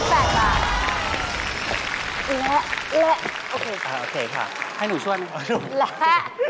และและโอเคค่ะโอเคค่ะให้หนูช่วยหนูโอเคค่ะ